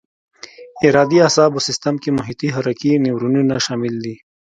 ارادي اعصابو سیستم کې محیطي حرکي نیورونونه شامل دي.